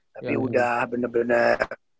tapi udah bener bener